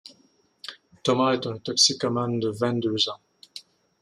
Thomas est un toxicomane de vingt-deux ans.